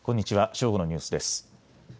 正午のニュースです。